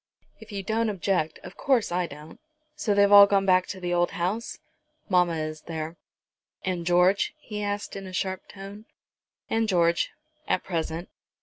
"If you don't object, of course I don't. So they've all gone back to the old house?" "Mamma is there." "And George?" he asked in a sharp tone. "And George, at present."